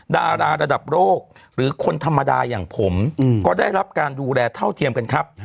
ดาราระดับโลกหรือคนธรรมดาอย่างผมก็ได้รับการดูแลเท่าเทียมกันครับ